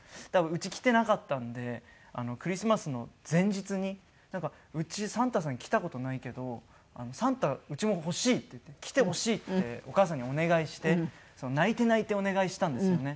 うち来ていなかったんでクリスマスの前日に「うちサンタさん来た事ないけどサンタうちも欲しい」って言って「来てほしい」ってお母さんにお願いして泣いて泣いてお願いしたんですよね。